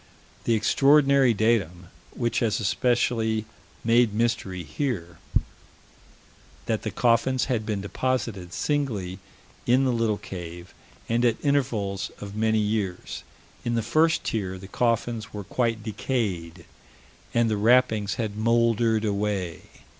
The extraordinary datum, which has especially made mystery here: That the coffins had been deposited singly, in the little cave, and at intervals of many years. In the first tier, the coffins were quite decayed, and the wrappings had moldered away.